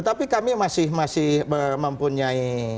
tapi kami masih mempunyai